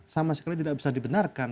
sama sekali tidak bisa dibenarkan